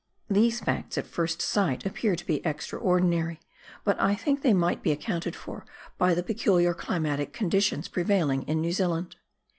These facts at first sight appear to be extraordinary, but I think they may be accounted for by the peculiar climatic con ditions prevailing in New Zealand.